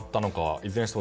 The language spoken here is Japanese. いずれにしても